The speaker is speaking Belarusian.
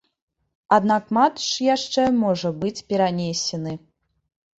Аднак матч яшчэ можа быць перанесены.